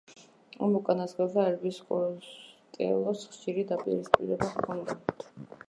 ამ უკანასკნელთან ელვის კოსტელოს ხშირი დაპირისპირება ჰქონდა.